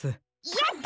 やった！